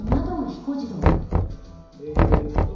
えーっと。